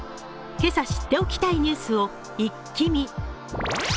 今朝知っておきたいニュースを一気見。